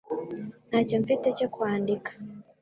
Ntacyo mfite cyo kwandika